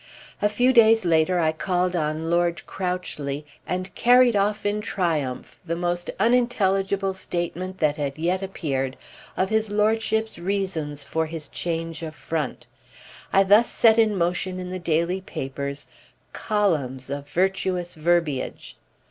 A few days later I called on Lord Crouchley and carried off in triumph the most unintelligible statement that had yet appeared of his lordship's reasons for his change of front. I thus set in motion in the daily papers columns of virtuous verbiage.